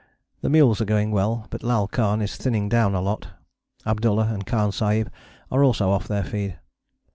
The mules are going well, but Lal Khan is thinning down a lot: Abdullah and Khan Sahib are also off their feed.